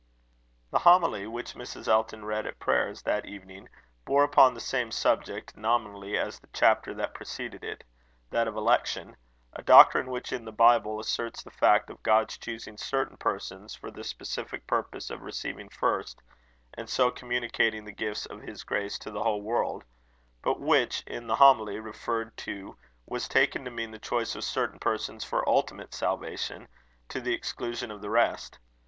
The homily which Mrs. Elton read at prayers that evening, bore upon the same subject nominally as the chapter that preceded it that of election; a doctrine which in the Bible asserts the fact of God's choosing certain persons for the specific purpose of receiving first, and so communicating the gifts of his grace to the whole world; but which, in the homily referred to, was taken to mean the choice of certain persons for ultimate salvation, to the exclusion of the rest.